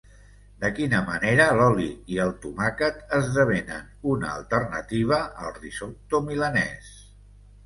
De quina manera l’oli i el tomàquet esdevenen una alternativa al risotto milanès?